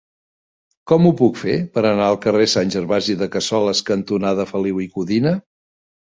Com ho puc fer per anar al carrer Sant Gervasi de Cassoles cantonada Feliu i Codina?